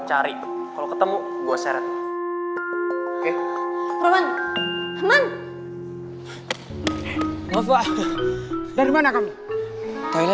sampai jumpa di video selanjutnya